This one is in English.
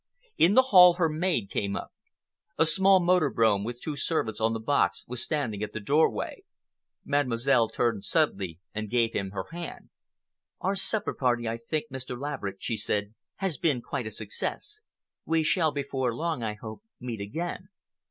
In the hall her maid came up. A small motor brougham, with two servants on the box, was standing at the doorway. Mademoiselle turned suddenly and gave him her hand. "Our supper party, I think, Mr. Laverick," she said, "has been quite a success. We shall before long, I hope, meet again."